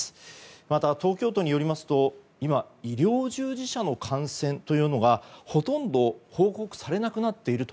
また、東京都によりますと今、医療従事者の感染というのがほとんど報告されなくなっていると。